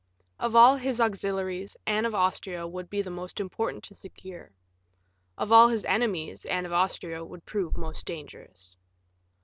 Of all his auxiliaries, Anne of Austria would be the most important to secure; of all his enemies, Anne of Austria would prove most dangerous.